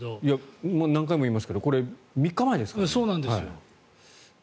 何回も言いますけどこれ、３日前ですから。